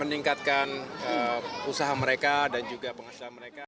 meningkatkan usaha mereka dan juga penghasilan mereka